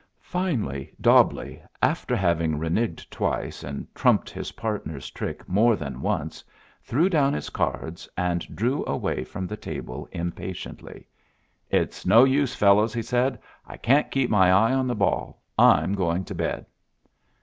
Finally Dobbleigh, after having reneged twice, and trumped his partner's trick more than once, threw down his cards, and drew away from the table impatiently. "It's no use, fellows," he said. "I can't keep my eye on the ball. I'm going to bed."